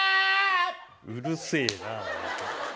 うるせえな！